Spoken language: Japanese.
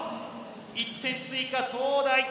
１点追加東大！